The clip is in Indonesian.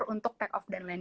untuk take off dan lain